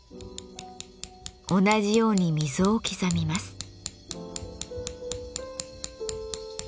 同じように溝を刻みます。